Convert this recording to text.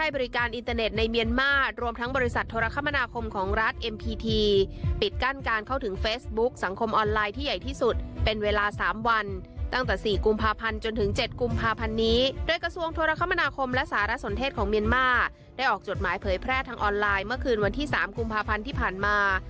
วันที่๓กุมภาพันธ์ที่ผ่านมา